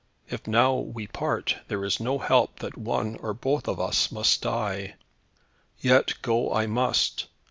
If, now, we part, there is no help that one, or both, of us, must die. Yet go I must.